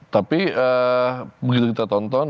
tapi begitu kita tonton